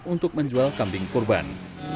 untuk menjual kambing kurban